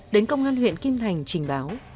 đến công an huyện kim thành trình báo